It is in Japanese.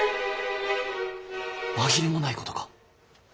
紛れもないことか？